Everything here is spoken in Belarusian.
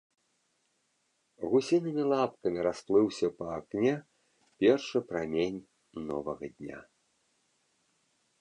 Гусінымі лапкамі расплыўся па акне першы прамень новага дня.